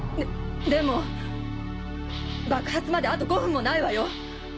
ででも爆発まであと５分もないわよ！